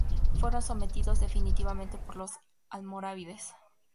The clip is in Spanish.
Fueron sometidos definitivamente por los almorávides.